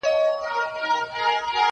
مړۍ د مور له خوا خوراک کيږي!!